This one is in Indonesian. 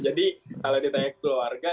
jadi kalau ditanya keluarga